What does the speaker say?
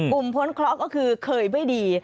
พ้นเคราะห์ก็คือเคยไม่ดี